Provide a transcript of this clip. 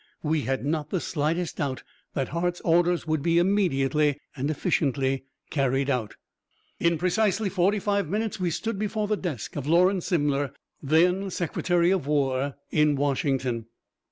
We had not the slightest doubt that Hart's orders would be immediately and efficiently carried out. In precisely forty five minutes, we stood before the desk of Lawrence Simler, then Secretary of War, in Washington.